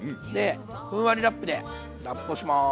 ふんわりラップでラップをします。